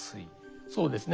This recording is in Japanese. そうですね